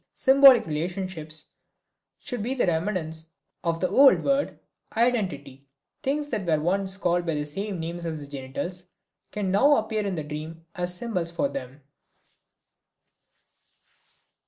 Symbolic relationships would be the remnants of the old word identity; things which once were called by the same names as the genitals can now appear in the dream as symbols for them.